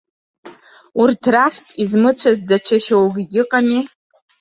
Урҭ рахьтә измыцәаз даҽа шьоукгьы ыҟами.